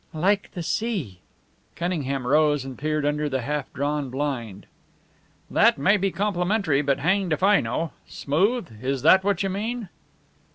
"Like the sea." Cunningham rose and peered under the half drawn blind. "That may be complimentary, but hanged if I know! Smooth? is that what you mean?"